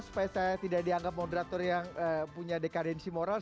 supaya saya tidak dianggap moderator yang punya dekadensi moral